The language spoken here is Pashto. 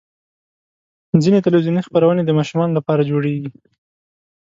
ځینې تلویزیوني خپرونې د ماشومانو لپاره جوړېږي.